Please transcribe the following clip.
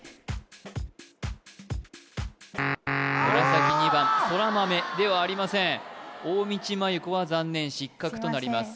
紫２番そらまめではありません大道麻優子は残念失格となります